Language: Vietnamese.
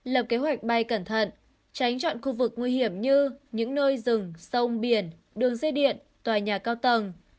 lập kế hoạch bay cẩn thận tránh chọn khu vực nguy hiểm như những nơi rừng sông biển đường dây điện tòa nhà cao tầng